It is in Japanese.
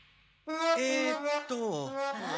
えっと。え？